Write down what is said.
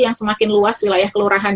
yang semakin luas wilayah kelurahan